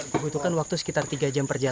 dibutuhkan waktu sekitar tiga jam perjalanan